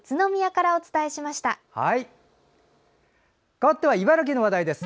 かわっては茨城の話題です。